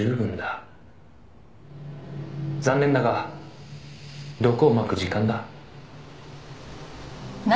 「残念だが毒をまく時間だ」